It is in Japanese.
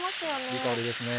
いい香りですね